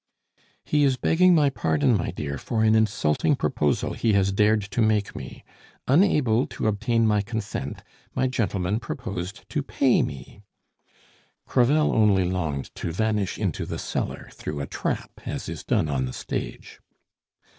"He is begging my pardon, my dear, for an insulting proposal he has dared to make me. Unable to obtain my consent, my gentleman proposed to pay me " Crevel only longed to vanish into the cellar, through a trap, as is done on the stage.